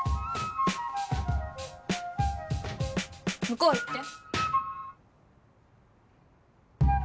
向こう行って。